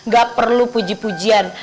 gak perlu puji pujian